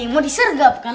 mau disergap kan